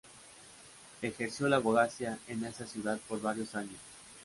Ejerció la abogacía en esa ciudad por varios años.